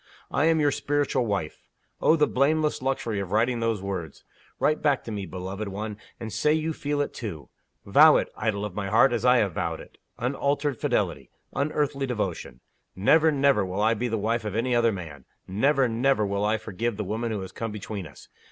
I am your Spiritual Wife! Oh, the blameless luxury of writing those words! Write back to me, beloved one, and say you feel it too. Vow it, idol of my heart, as I have vowed it. Unalterable fidelity! unearthly devotion! Never, never will I be the wife of any other man! Never, never will I forgive the woman who has come between us!